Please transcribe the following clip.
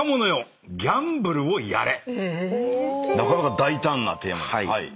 なかなか大胆なテーマです。